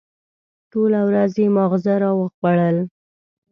ټوله ورځ یې ماغزه را وخوړل.